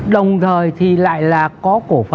đồng thời thì lại là có cổ phần chi phối